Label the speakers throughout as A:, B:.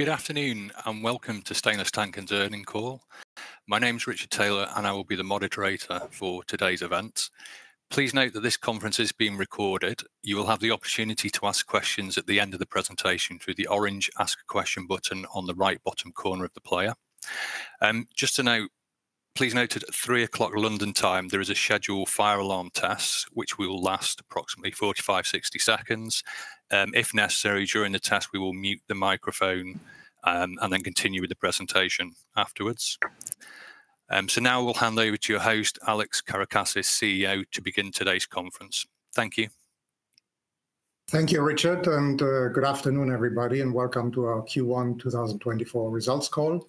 A: Good afternoon and welcome to Stainless Tankers earnings call. My name's Richard Taylor, and I will be the moderator for today's event. Please note that this conference is being recorded. You will have the opportunity to ask questions at the end of the presentation through the orange "Ask a Question" button on the right bottom corner of the player. Just a note: please note that at 3:00 P.M. London time there is a scheduled fire alarm test, which will last approximately 45-60 seconds. If necessary during the test we will mute the microphone and then continue with the presentation afterwards. Now we'll hand over to your host, Alex Karakassis, CEO, to begin today's conference. Thank you.
B: Thank you, Richard, and good afternoon everybody, and welcome to our Q1 2024 results call.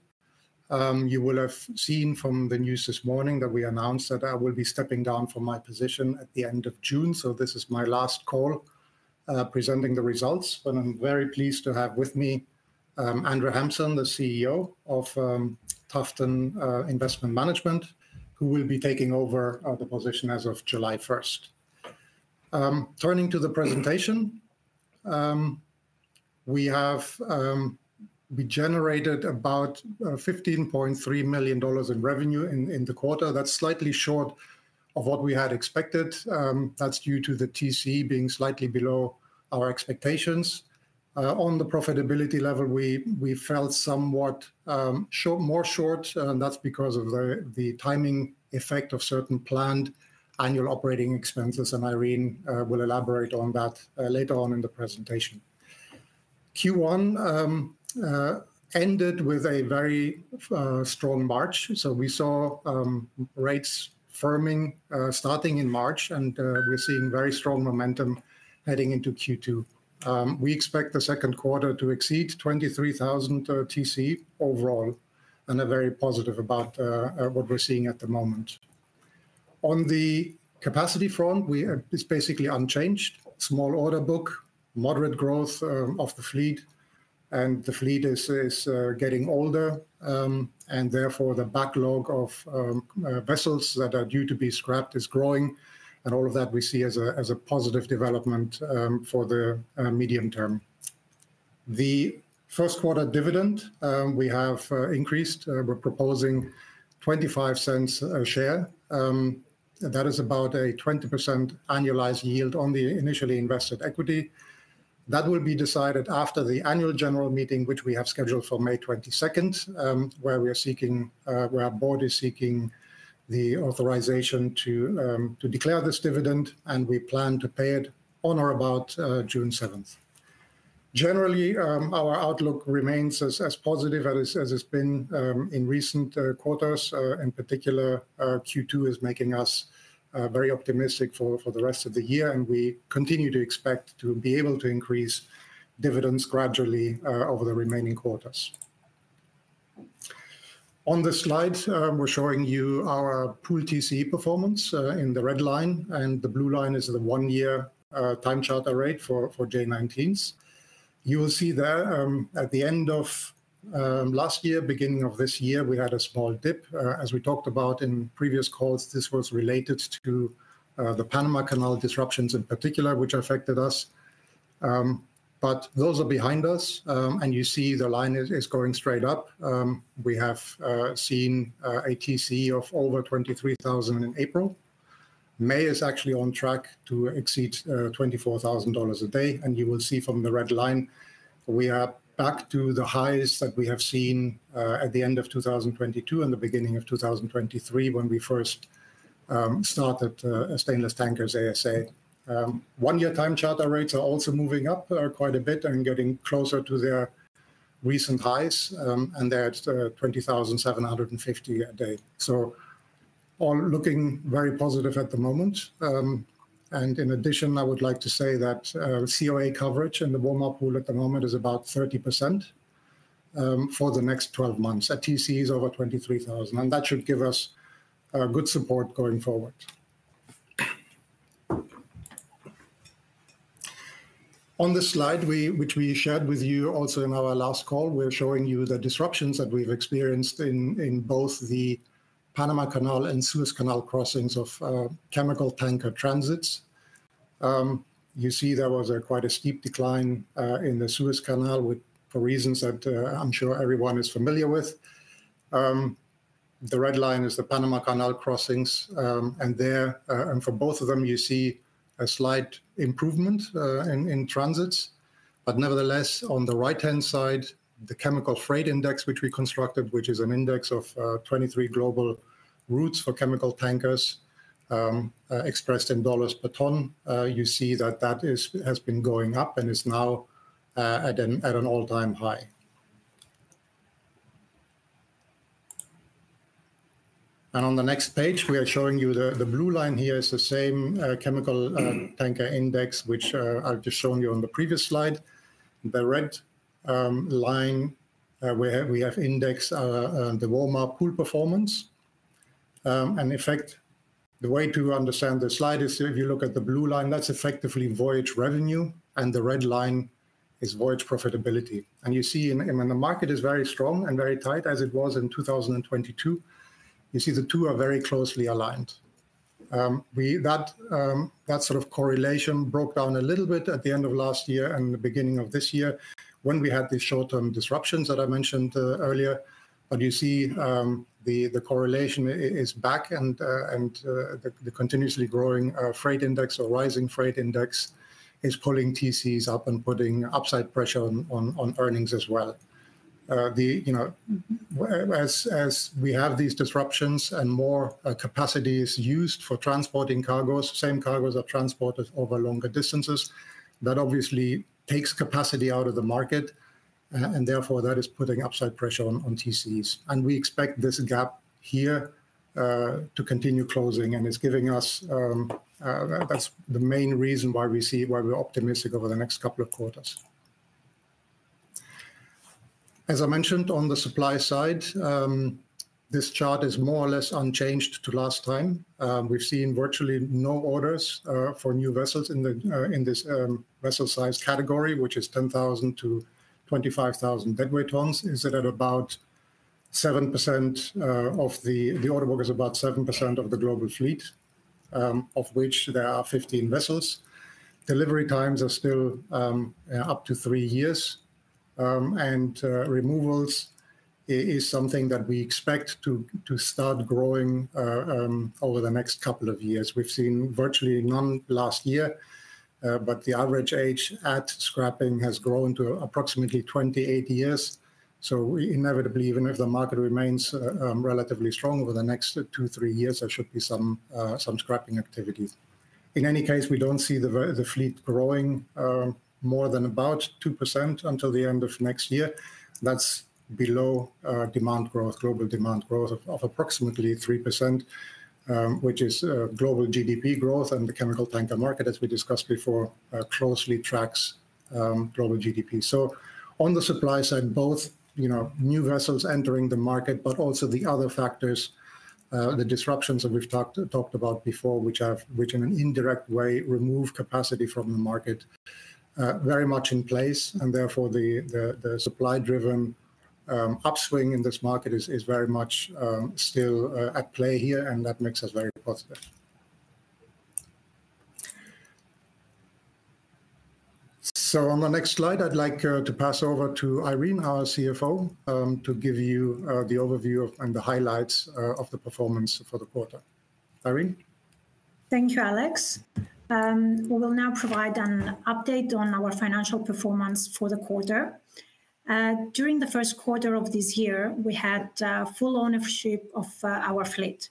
B: You will have seen from the news this morning that we announced that I will be stepping down from my position at the end of June, so this is my last call presenting the results. But I'm very pleased to have with me Andrew Hampson, the CEO of Tufton Investment Management, who will be taking over the position as of July 1st. Turning to the presentation, we generated about $15.3 million in revenue in the quarter. That's slightly short of what we had expected. That's due to the TCE being slightly below our expectations. On the profitability level we felt somewhat more short, and that's because of the timing effect of certain planned annual operating expenses, and Irene will elaborate on that later on in the presentation. Q1 ended with a very strong March, so we saw rates firming starting in March, and we're seeing very strong momentum heading into Q2. We expect the second quarter to exceed 23,000 TCE overall, and I'm very positive about what we're seeing at the moment. On the capacity front it's basically unchanged: small order book, moderate growth of the fleet, and the fleet is getting older, and therefore the backlog of vessels that are due to be scrapped is growing, and all of that we see as a positive development for the medium term. The first quarter dividend we have increased. We're proposing $0.25 a share. That is about a 20% annualized yield on the initially invested equity. That will be decided after the annual general meeting, which we have scheduled for May 22nd, where our board is seeking the authorization to declare this dividend, and we plan to pay it on or about June 7th. Generally our outlook remains as positive as it's been in recent quarters. In particular Q2 is making us very optimistic for the rest of the year, and we continue to expect to be able to increase dividends gradually over the remaining quarters. On the slide we're showing you our pool TCE performance in the red line, and the blue line is the one-year time charter rate for J19s. You will see there at the end of last year beginning of this year we had a small dip. As we talked about in previous calls, this was related to the Panama Canal disruptions in particular which affected us, but those are behind us, and you see the line is going straight up. We have seen a TCE of over $23,000 in April. May is actually on track to exceed $24,000 a day, and you will see from the red line we are back to the highs that we have seen at the end of 2022 and the beginning of 2023 when we first started Stainless Tankers ASA. One-year time charter rates are also moving up quite a bit and getting closer to their recent highs, and they're at $20,750 a day. So all looking very positive at the moment, and in addition I would like to say that COA coverage in the WOMAR pool at the moment is about 30% for the next 12 months. A TCE is over 23,000, and that should give us good support going forward. On the slide which we shared with you also in our last call we're showing you the disruptions that we've experienced in both the Panama Canal and Suez Canal crossings of chemical tanker transits. You see there was quite a steep decline in the Suez Canal for reasons that I'm sure everyone is familiar with. The red line is the Panama Canal crossings, and there for both of them you see a slight improvement in transits, but nevertheless on the right-hand side the Chemical Freight Index which we constructed which is an index of 23 global routes for chemical tankers expressed in dollars per ton you see that that has been going up and is now at an all-time high. On the next page we are showing you the blue line. Here is the same chemical tanker index which I've just shown you on the previous slide. The red line we have indexed the WOMAR pool performance, and in fact the way to understand the slide is if you look at the blue line that's effectively voyage revenue, and the red line is voyage profitability. You see when the market is very strong and very tight as it was in 2022 you see the two are very closely aligned. That sort of correlation broke down a little bit at the end of last year and the beginning of this year when we had these short-term disruptions that I mentioned earlier, but you see the correlation is back, and the continuously growing freight index or rising freight index is pulling TCEs up and putting upside pressure on earnings as well. As we have these disruptions and more capacity is used for transporting cargoes, same cargoes are transported over longer distances, that obviously takes capacity out of the market, and therefore that is putting upside pressure on TCEs. And we expect this gap here to continue closing, and it's giving us that's the main reason why we're optimistic over the next couple of quarters. As I mentioned on the supply side this chart is more or less unchanged to last time. We've seen virtually no orders for new vessels in this vessel size category which is 10,000-25,000 deadweight tons. It's at about 7% of the order book is about 7% of the global fleet, of which there are 15 vessels. Delivery times are still up to 3 years, and removals is something that we expect to start growing over the next couple of years. We've seen virtually none last year, but the average age at scrapping has grown to approximately 28 years, so inevitably even if the market remains relatively strong over the next 2, 3 years there should be some scrapping activity. In any case we don't see the fleet growing more than about 2% until the end of next year. That's below global demand growth of approximately 3%, which is global GDP growth, and the chemical tanker market as we discussed before closely tracks global GDP. So on the supply side both new vessels entering the market but also the other factors, the disruptions that we've talked about before which in an indirect way remove capacity from the market, very much in place, and therefore the supply-driven upswing in this market is very much still at play here, and that makes us very positive. So on the next slide I'd like to pass over to Irene, our CFO, to give you the overview and the highlights of the performance for the quarter. Irene?
C: Thank you, Alex. We will now provide an update on our financial performance for the quarter. During the first quarter of this year we had full ownership of our fleet.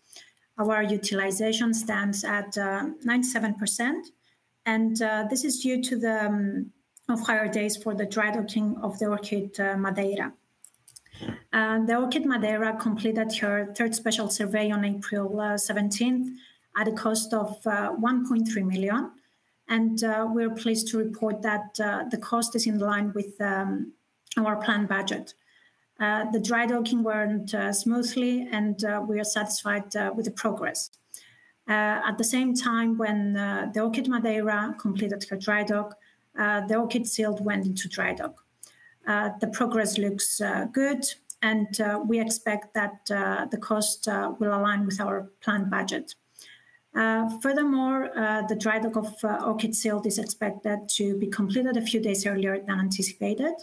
C: Our utilization stands at 97%, and this is due to the higher days for the dry docking of the Orchid Madeira. The Orchid Madeira completed her third special survey on April 17th at a cost of $1.3 million, and we're pleased to report that the cost is in line with our planned budget. The dry docking went smoothly, and we are satisfied with the progress. At the same time, when the Orchid Madeira completed her dry dock, the Orchid Sylt went into dry dock. The progress looks good, and we expect that the cost will align with our planned budget. Furthermore, the dry docking of Orchid Sylt is expected to be completed a few days earlier than anticipated,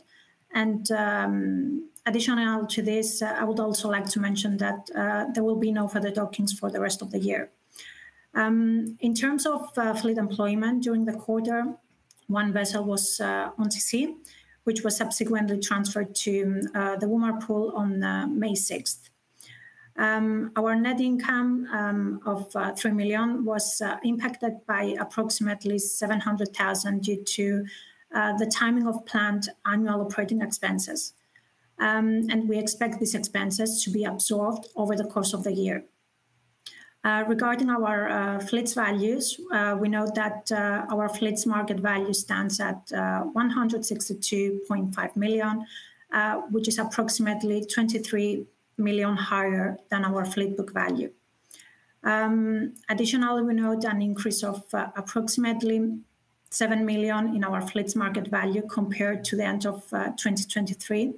C: and in addition to this, I would also like to mention that there will be no further dockings for the rest of the year. In terms of fleet employment during the quarter, one vessel was on TCE, which was subsequently transferred to the WOMAR pool on May 6th. Our net income of $3 million was impacted by approximately $700,000 due to the timing of planned annual operating expenses, and we expect these expenses to be absorbed over the course of the year. Regarding our fleet's values, we note that our fleet's market value stands at $162.5 million, which is approximately $23 million higher than our fleet book value. Additionally we note an increase of approximately $7 million in our fleet's market value compared to the end of 2023,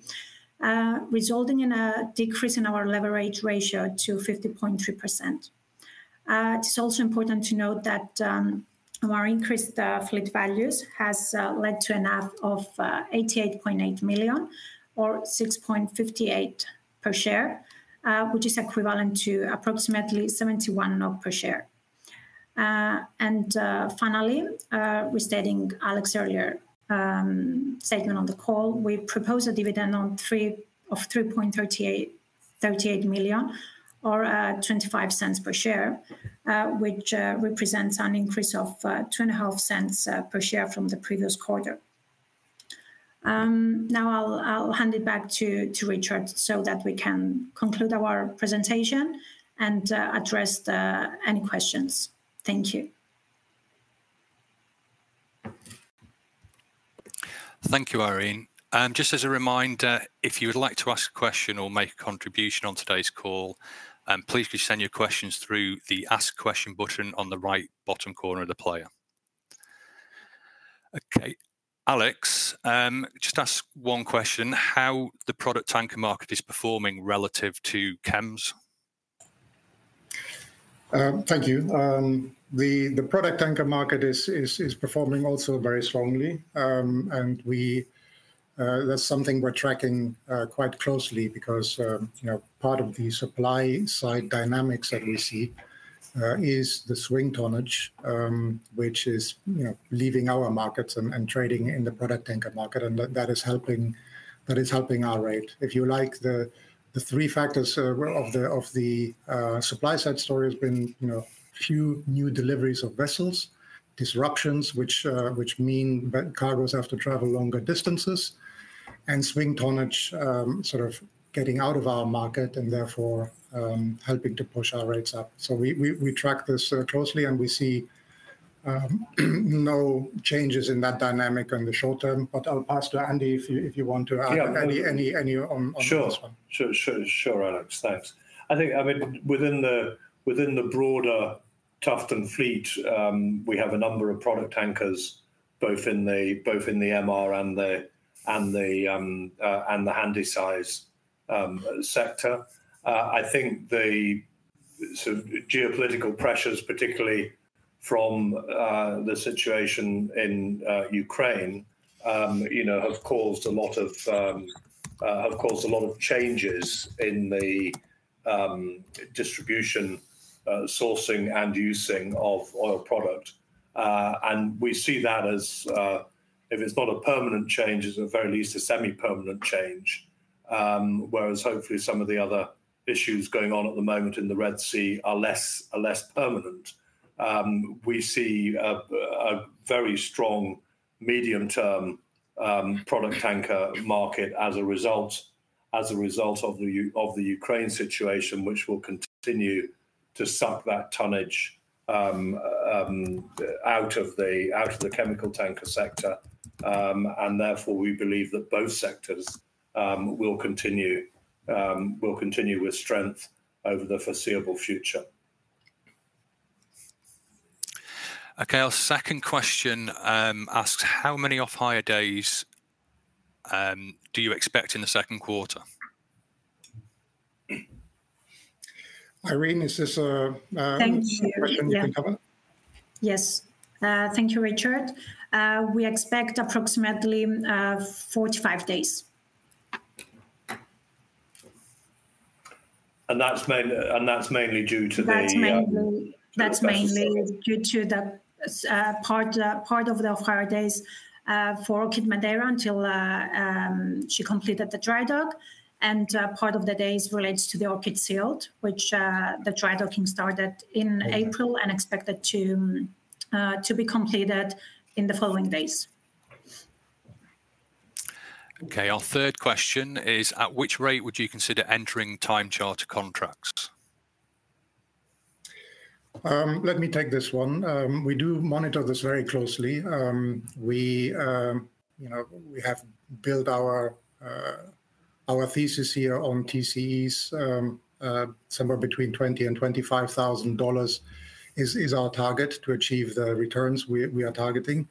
C: resulting in a decrease in our leverage ratio to 50.3%. It's also important to note that our increased fleet values has led to an NAV of $88.8 million or $6.58 per share, which is equivalent to approximately 71 NOK per share. And finally restating Alex's earlier statement on the call we propose a dividend of $3.38 million or $0.25 per share, which represents an increase of $0.25 per share from the previous quarter. Now I'll hand it back to Richard so that we can conclude our presentation and address any questions. Thank you.
A: Thank you, Irene. Just as a reminder, if you would like to ask a question or make a contribution on today's call, please just send your questions through the Ask Question button on the right bottom corner of the player. Okay, Alex, just ask one question: how the product tanker market is performing relative to chems?
B: Thank you. The product tanker market is performing also very strongly, and that's something we're tracking quite closely because part of the supply side dynamics that we see is the swing tonnage, which is leaving our markets and trading in the product tanker market, and that is helping our rate. If you like the three factors of the supply side story has been few new deliveries of vessels, disruptions which mean that cargoes have to travel longer distances, and swing tonnage sort of getting out of our market and therefore helping to push our rates up. So we track this closely, and we see no changes in that dynamic in the short term, but I'll pass to Andy if you want to add any on this one.
D: Sure, sure, sure, Alex, thanks. I think within the broader Tufton fleet we have a number of product tankers both in the MR and the Handysize sector. I think the geopolitical pressures particularly from the situation in Ukraine have caused a lot of changes in the distribution, sourcing, and using of oil product, and we see that as if it's not a permanent change it's at the very least a semi-permanent change, whereas hopefully some of the other issues going on at the moment in the Red Sea are less permanent. We see a very strong medium-term product tanker market as a result of the Ukraine situation which will continue to suck that tonnage out of the chemical tanker sector, and therefore we believe that both sectors will continue with strength over the foreseeable future.
A: Okay, our second question asks: how many off-hire days do you expect in the second quarter?
B: Irene, is this a question you can cover?
C: Yes. Thank you, Richard. We expect approximately 45 days.
D: That's mainly due to the.
C: That's mainly due to that part of the off-hire days for Orchid Madeira until she completed the dry dock, and part of the days relates to the Orchid Sylt which the dry docking started in April and expected to be completed in the following days.
A: Okay, our third question is: at which rate would you consider entering time-charter contracts?
B: Let me take this one. We do monitor this very closely. We have built our thesis here on TCEs somewhere between $20,000 and $25,000, is our target to achieve the returns we are targeting.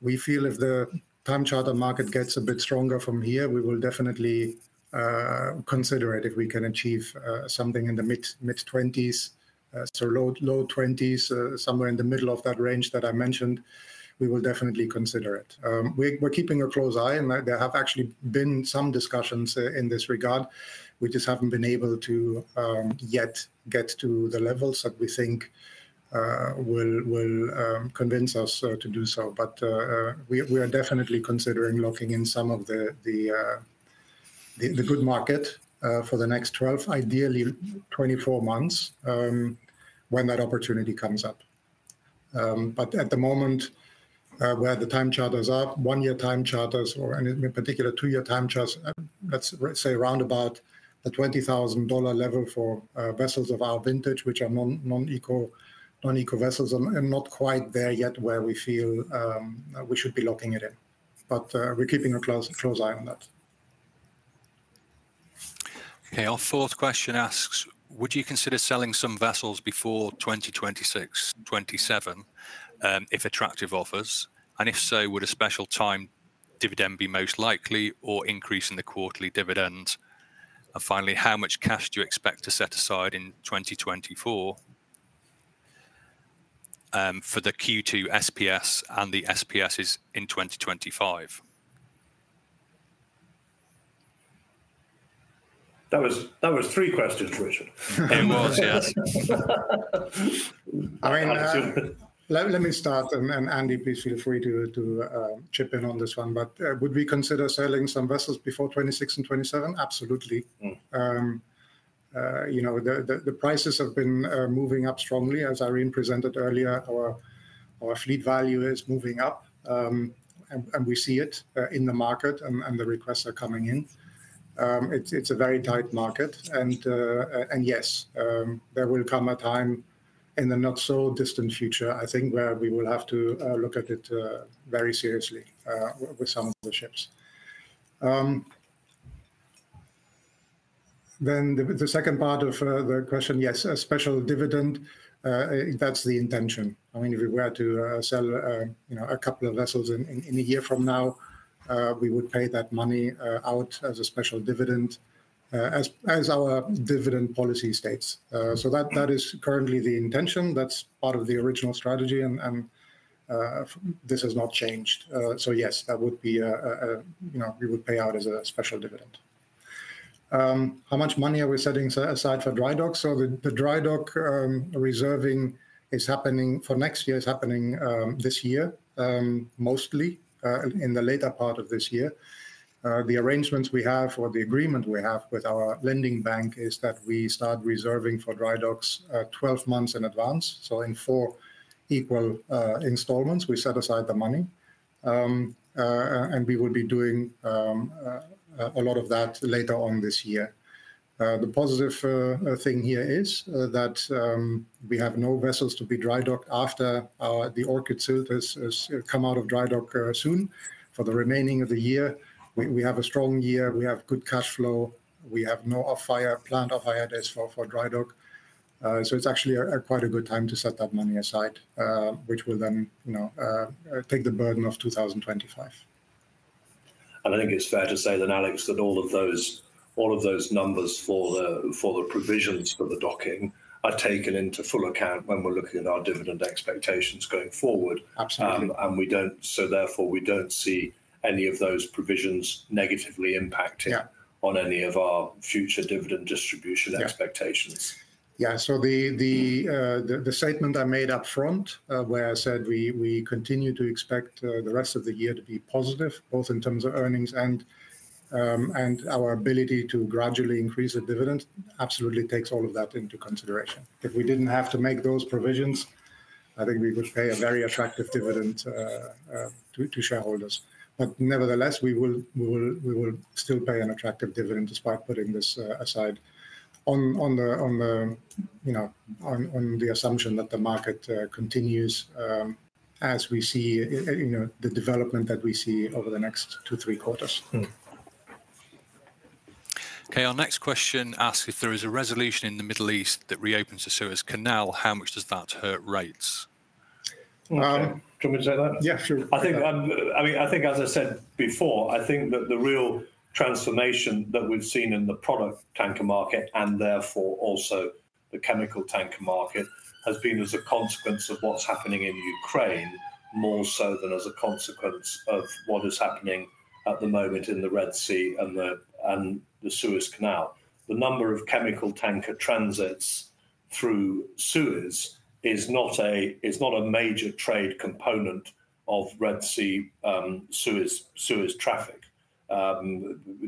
B: We feel if the time-charter market gets a bit stronger from here we will definitely consider it if we can achieve something in the mid-$20,000s, so low $20,000s, somewhere in the middle of that range that I mentioned, we will definitely consider it. We're keeping a close eye, and there have actually been some discussions in this regard. We just haven't been able to yet get to the levels that we think will convince us to do so, but we are definitely considering locking in some of the good market for the next 12, ideally 24 months, when that opportunity comes up. But at the moment where the time charters are, 1-year time charters or in particular 2-year time charters, let's say around about the $20,000 level for vessels of our vintage which are non-eco vessels and not quite there yet where we feel we should be locking it in, but we're keeping a close eye on that.
A: Okay, our fourth question asks: Would you consider selling some vessels before 2026/27 if attractive offers, and if so, would a special time dividend be most likely or increase in the quarterly dividend? Finally, how much cash do you expect to set aside in 2024 for the Q2 SPS and the SPSes in 2025?
D: That was three questions, Richard.
A: It was, yes.
B: I mean, let me start, and Andy please feel free to chip in on this one, but would we consider selling some vessels before 2026 and 2027? Absolutely. The prices have been moving up strongly. As Irene presented earlier, our fleet value is moving up, and we see it in the market, and the requests are coming in. It's a very tight market, and yes, there will come a time in the not-so-distant future, I think, where we will have to look at it very seriously with some of the ships. Then the second part of the question, yes, a special dividend, that's the intention. I mean, if we were to sell a couple of vessels in a year from now we would pay that money out as a special dividend as our dividend policy states. So that is currently the intention. That's part of the original strategy, and this has not changed. So yes, that would be a we would pay out as a special dividend. How much money are we setting aside for dry dock? So the dry dock reserving is happening for next year is happening this year, mostly in the later part of this year. The arrangements we have or the agreement we have with our lending bank is that we start reserving for dry docks 12 months in advance, so in four equal installments we set aside the money, and we would be doing a lot of that later on this year. The positive thing here is that we have no vessels to be dry docked after the Orchid Sylt has come out of dry dock soon. For the remaining of the year we have a strong year. We have good cash flow. We have no off-hire planned off-hire days for dry dock. So it's actually quite a good time to set that money aside, which will then take the burden off 2025.
D: I think it's fair to say then, Alex, that all of those numbers for the provisions for the docking are taken into full account when we're looking at our dividend expectations going forward, and so therefore we don't see any of those provisions negatively impacting on any of our future dividend distribution expectations.
B: Yeah, so the statement I made up front where I said we continue to expect the rest of the year to be positive, both in terms of earnings and our ability to gradually increase the dividend, absolutely takes all of that into consideration. If we didn't have to make those provisions I think we would pay a very attractive dividend to shareholders, but nevertheless we will still pay an attractive dividend despite putting this aside on the assumption that the market continues as we see the development that we see over the next 2-3 quarters.
A: Okay, our next question asks: if there is a resolution in the Middle East that reopens the Suez Canal how much does that hurt rates?
D: Do you want me to say that?
B: Yeah, sure.
D: I think as I said before I think that the real transformation that we've seen in the product tanker market and therefore also the chemical tanker market has been as a consequence of what's happening in Ukraine more so than as a consequence of what is happening at the moment in the Red Sea and the Suez Canal. The number of chemical tanker transits through Suez is not a major trade component of Red Sea-Suez traffic.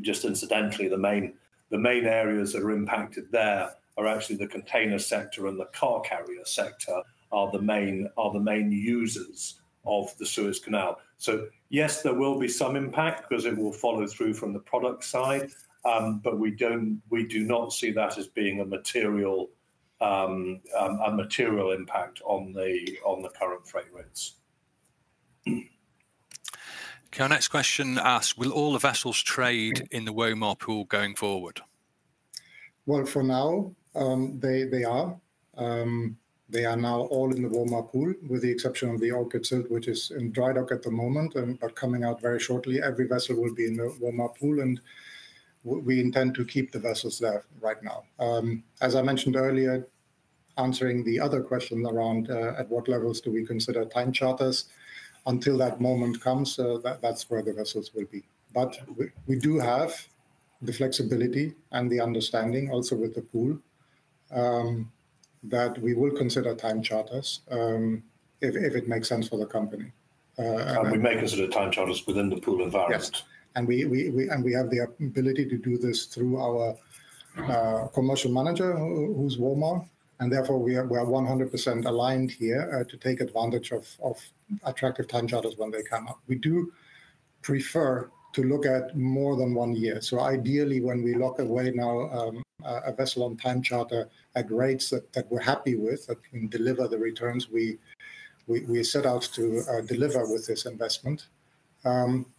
D: Just incidentally, the main areas that are impacted there are actually the container sector and the car carrier sector are the main users of the Suez Canal. So yes, there will be some impact because it will follow through from the product side, but we do not see that as being a material impact on the current freight rates.
A: Okay, our next question asks: will all the vessels trade in the WOMAR pool going forward?
B: Well, for now they are. They are now all in the WOMAR pool with the exception of the Orchid Sylt which is in dry dock at the moment but coming out very shortly. Every vessel will be in the WOMAR pool, and we intend to keep the vessels there right now. As I mentioned earlier, answering the other questions around at what levels do we consider time charters, until that moment comes that's where the vessels will be. But we do have the flexibility and the understanding also with the pool that we will consider time charters if it makes sense for the company.
D: We may consider time charters within the pool environment.
B: Yes, and we have the ability to do this through our commercial manager who's WOMAR, and therefore we are 100% aligned here to take advantage of attractive time-charters when they come up. We do prefer to look at more than one year. So ideally when we lock away now a vessel on time-charter at rates that we're happy with, that can deliver the returns we set out to deliver with this investment,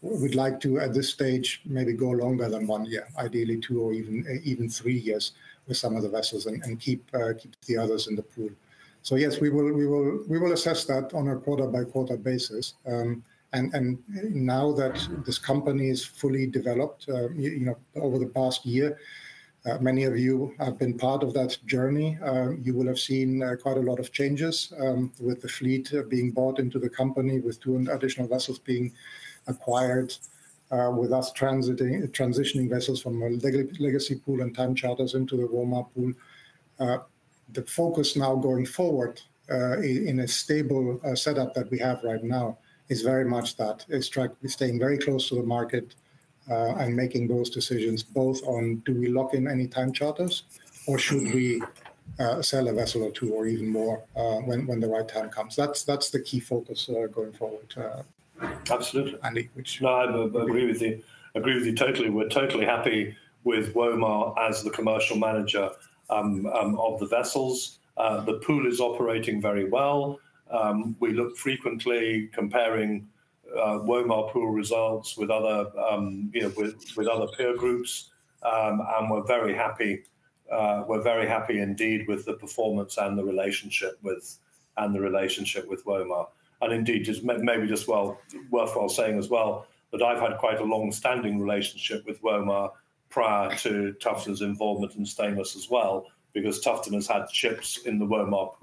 B: we'd like to at this stage maybe go longer than one year, ideally two or even three years with some of the vessels and keep the others in the pool. So yes, we will assess that on a quarter-by-quarter basis. Now that this company is fully developed over the past year, many of you have been part of that journey, you will have seen quite a lot of changes with the fleet being bought into the company with two additional vessels being acquired with us transitioning vessels from a legacy pool and time-charters into the WOMAR pool. The focus now going forward in a stable setup that we have right now is very much that, is staying very close to the market and making those decisions both on do we lock in any time-charters or should we sell a vessel or two or even more when the right time comes. That's the key focus going forward, Andy.
D: Absolutely. No, I agree with you totally. We're totally happy with WOMAR as the commercial manager of the vessels. The pool is operating very well. We look frequently comparing WOMAR pool results with other peer groups, and we're very happy indeed with the performance and the relationship with WOMAR. And indeed, maybe just worthwhile saying as well that I've had quite a longstanding relationship with WOMAR prior to Tufton's involvement in Stainless as well because Tufton has had ships in WOMAR's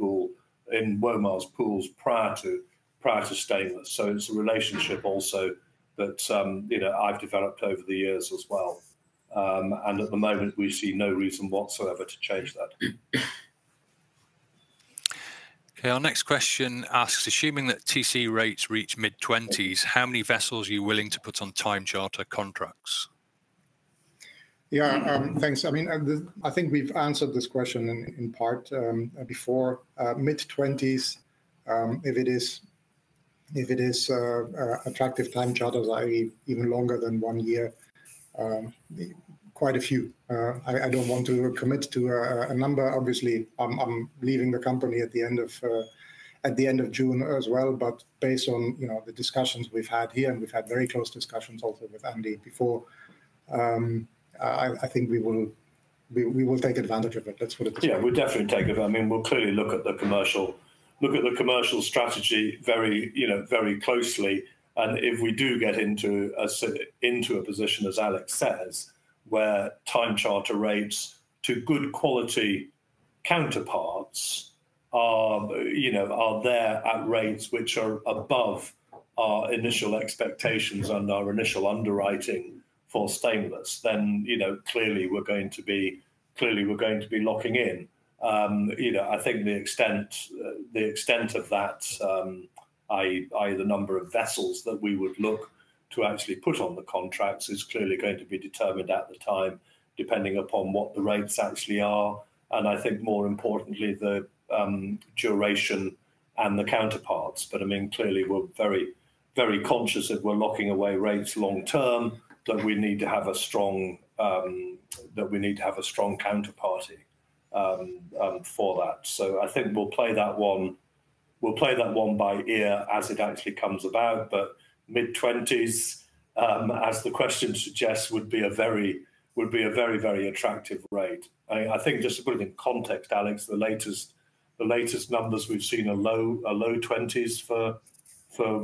D: pools prior to Stainless. So it's a relationship also that I've developed over the years as well, and at the moment we see no reason whatsoever to change that.
A: Okay, our next question asks: assuming that TCE rates reach mid-$20,000s how many vessels are you willing to put on time-charter contracts?
B: Yeah, thanks. I mean, I think we've answered this question in part before. Mid-20s, if it is attractive time-charters, i.e., even longer than one year, quite a few. I don't want to commit to a number. Obviously, I'm leaving the company at the end of June as well, but based on the discussions we've had here and we've had very close discussions also with Andy before, I think we will take advantage of it. That's what it is.
D: Yeah, we'll definitely take advantage. I mean, we'll clearly look at the commercial strategy very closely, and if we do get into a position as Alex says where time-charter rates to good quality counterparts are there at rates which are above our initial expectations and our initial underwriting for Stainless, then clearly we're going to be clearly we're going to be locking in. I think the extent of that, i.e., the number of vessels that we would look to actually put on the contracts, is clearly going to be determined at the time depending upon what the rates actually are, and I think more importantly the duration and the counterparts. But I mean, clearly we're very conscious if we're locking away rates long-term that we need to have a strong that we need to have a strong counterparty for that. So I think we'll play that one by ear as it actually comes about, but mid-20s, as the question suggests, would be a very attractive rate. I think just to put it in context, Alex, the latest numbers we've seen are low 20s for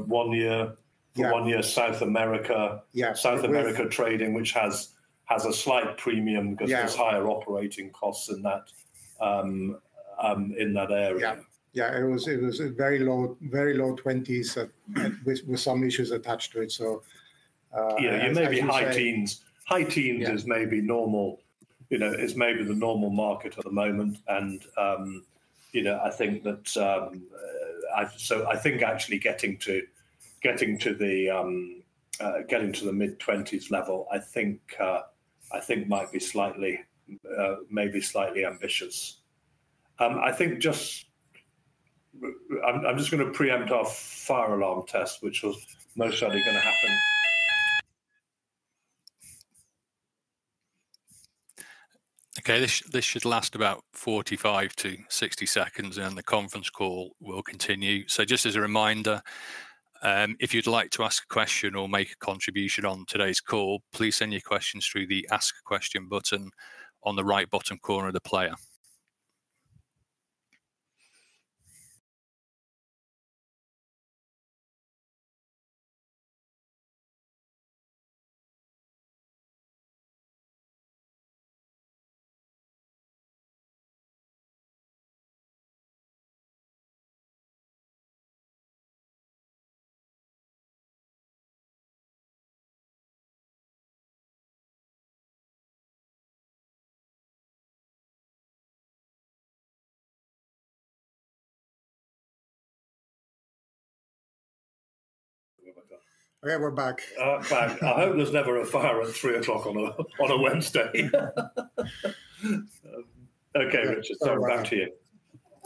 D: one year, for one year South America trading which has a slight premium because there's higher operating costs in that area.
B: Yeah, it was very low 20s with some issues attached to it, so.
D: Yeah, maybe high teens is maybe normal is maybe the normal market at the moment, and I think that so I think actually getting to the mid-20s level I think might be slightly maybe slightly ambitious. I think just I'm just going to preempt our fire alarm test which was most likely going to happen.
A: Okay, this should last about 45-60 seconds, and the conference call will continue. So just as a reminder, if you'd like to ask a question or make a contribution on today's call, please send your questions through the Ask Question button on the right bottom corner of the player.
B: Okay, we're back.
D: Oh, crap. I hope there's never a fire at 3:00 on a Wednesday. Okay, Richard, sorry, back to you.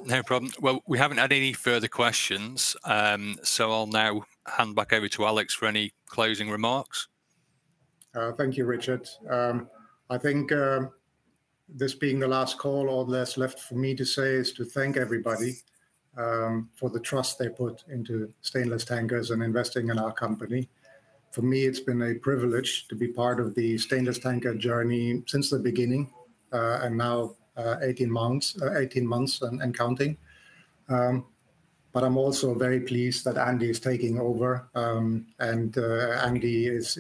A: No problem. Well, we haven't had any further questions, so I'll now hand back over to Alex for any closing remarks.
B: Thank you, Richard. I think this being the last call all that's left for me to say is to thank everybody for the trust they put into Stainless Tankers and investing in our company. For me, it's been a privilege to be part of the Stainless Tankers journey since the beginning and now 18 months and counting. But I'm also very pleased that Andy is taking over, and Andy is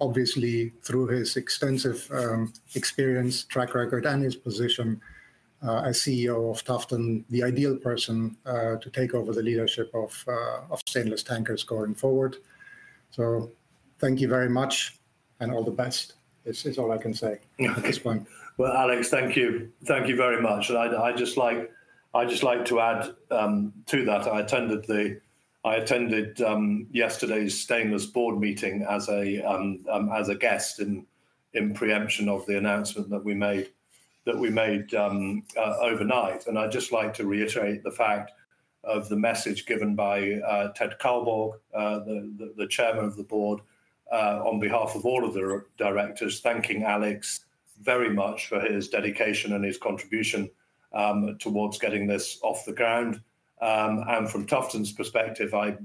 B: obviously, through his extensive experience, track record, and his position as CEO of Tufton, the ideal person to take over the leadership of Stainless Tankers going forward. So thank you very much and all the best is all I can say at this point.
D: Well, Alex, thank you very much. I'd just like to add to that, I attended yesterday's Stainless board meeting as a guest in anticipation of the announcement that we made overnight, and I'd just like to reiterate the fact of the message given by Ted Kalborg, the Chairman of the Board, on behalf of all of the directors, thanking Alex very much for his dedication and his contribution towards getting this off the ground. From Tufton's perspective, I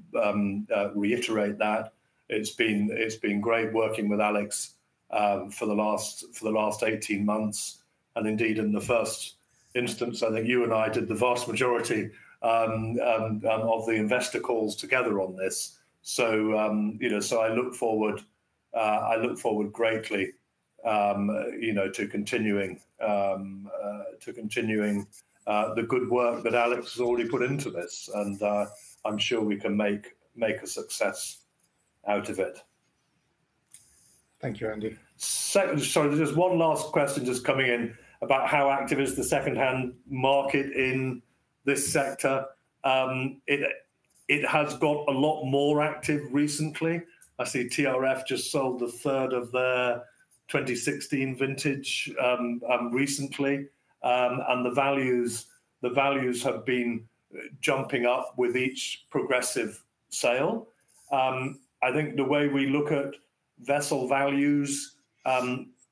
D: reiterate that it's been great working with Alex for the last 18 months, and indeed in the first instance, I think you and I did the vast majority of the investor calls together on this. I look forward greatly to continuing the good work that Alex has already put into this, and I'm sure we can make a success out of it.
B: Thank you, Andy.
A: Sorry, just one last question just coming in about how active is the second-hand market in this sector. It has got a lot more active recently. I see TRF just sold a third of their 2016 vintage recently, and the values have been jumping up with each progressive sale. I think the way we look at vessel values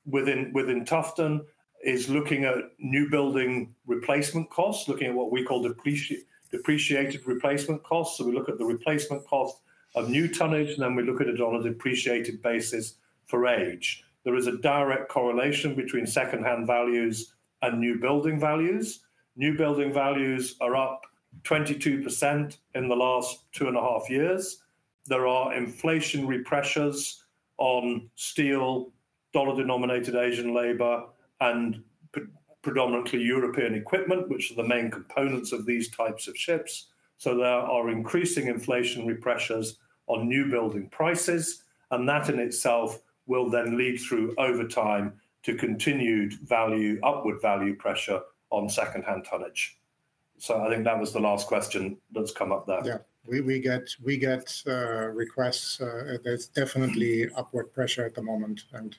A: within Tufton is looking at new building replacement costs, looking at what we call depreciated replacement costs. So we look at the replacement cost of new tonnage, and then we look at it on a depreciated basis for age. There is a direct correlation between second-hand values and new building values. New building values are up 22% in the last 2.5 years. There are inflationary pressures on steel, dollar-denominated Asian labor, and predominantly European equipment which are the main components of these types of ships.
D: So there are increasing inflationary pressures on new building prices, and that in itself will then lead through over time to continued upward value pressure on second-hand tonnage. So I think that was the last question that's come up there.
B: Yeah, we get requests. There's definitely upward pressure at the moment, and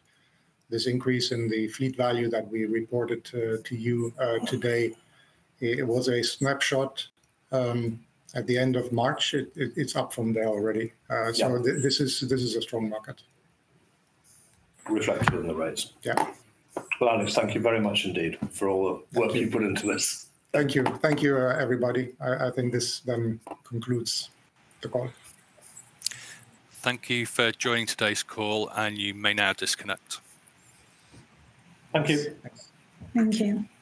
B: this increase in the fleet value that we reported to you today, it was a snapshot at the end of March. It's up from there already. So this is a strong market.
D: Reflected in the rates.
B: Yeah.
D: Well, Alex, thank you very much indeed for all the work you put into this.
B: Thank you. Thank you, everybody. I think this then concludes the call.
A: Thank you for joining today's call, and you may now disconnect.
B: Thank you. Thank you.